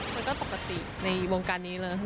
มันก็ปกติในวงการนี้เลย